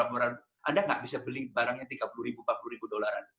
anda tidak bisa beli barang yang tiga puluh ribu empat puluh ribu dolaran